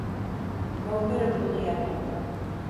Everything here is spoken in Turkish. Korkarım bunu yapamam.